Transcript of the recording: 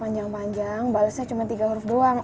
panjang panjang balesnya cuma tiga huruf doang